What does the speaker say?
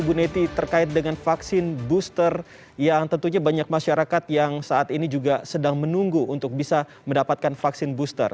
ibu neti terkait dengan vaksin booster yang tentunya banyak masyarakat yang saat ini juga sedang menunggu untuk bisa mendapatkan vaksin booster